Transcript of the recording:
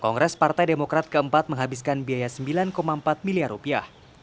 kongres partai demokrat keempat menghabiskan biaya sembilan empat miliar rupiah